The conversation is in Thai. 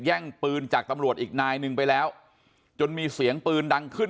แย่งปืนจากตำรวจอีกนายหนึ่งไปแล้วจนมีเสียงปืนดังขึ้น